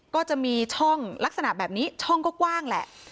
ก็จะมีช่องลักษณะแบบนี้ช่องก็กว้างแหละ